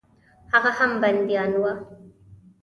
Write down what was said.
هغه هم بندیان وه.